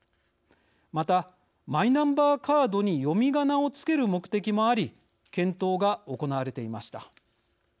またマイナンバーカードに読みがなを付ける目的もあり検討が行われていました。